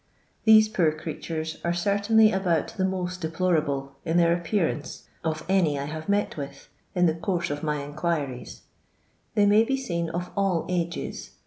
These poor creatures are certainly about the most deplorable in their.appearance of any I liave mot with in the coarse of my inquiries, They may be seen of all ages